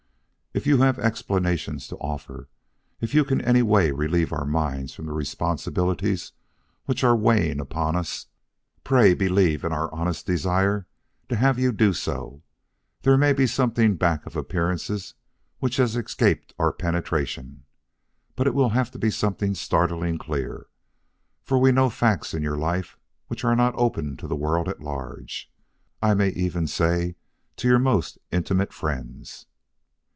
If you have explanations to offer if you can in any way relieve our minds from the responsibilities which are weighing upon us, pray believe in our honest desire to have you do so. There may be something back of appearances which has escaped our penetration; but it will have to be something startlingly clear, for we know facts in your life which are not open to the world at large, I may even say to your most intimate friends."